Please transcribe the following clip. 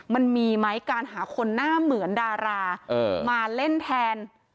มันมีไหมการหาคนหน้าเหมือนดารามาเล่นแทน